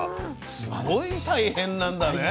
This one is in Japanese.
すごい大変なんだね。